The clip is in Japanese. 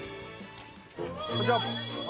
こんにちは。